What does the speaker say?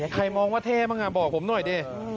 ใครมองว่าเท่มั้งอ่ะบอกผมหน่อยดิ